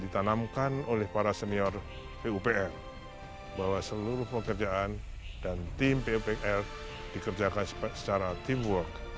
ditanamkan oleh para senior pupr bahwa seluruh pekerjaan dan tim pupr dikerjakan secara teamwork